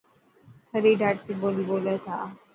ٿري ڌاٽڪي ٻولي ٻولي ٿا.